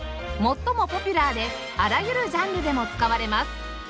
最もポピュラーであらゆるジャンルでも使われます